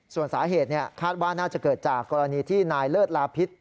ส่วนสาเหตุคาดว่าน่าจะเกิดจากกรณีที่นายเลิศลาพิษ